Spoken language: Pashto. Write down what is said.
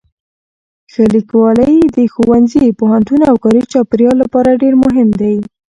ښه لیکوالی د ښوونځي، پوهنتون او کاري چاپېریال لپاره ډېر مهم دی.